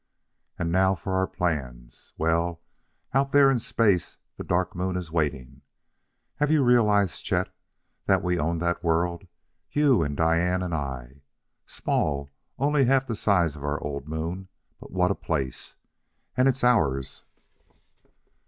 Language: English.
"And now for our plans. Well, our there in space the Dark Moon is waiting. Have you realized, Chet, that we own that world you and Diane and I? Small only half the size of our old moon but what a place! And it's ours!